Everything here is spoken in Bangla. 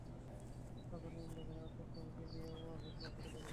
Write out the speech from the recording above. তখন তিনি দেখেন রক্তাক্ত বঁটি নিয়ে ওয়াদুদ বাড়ি থেকে বের হয়ে যাচ্ছেন।